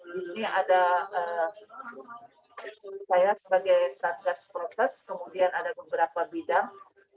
di sini ada saya sebagai satgas prokes kemudian ada beberapa bidang